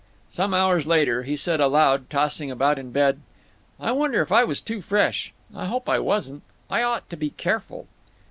Some hours later he said aloud, tossing about in bed: "I wonder if I was too fresh. I hope I wasn't. I ought to be careful."